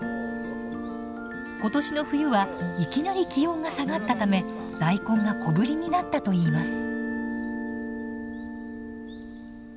今年の冬はいきなり気温が下がったため大根が小ぶりになったといいます。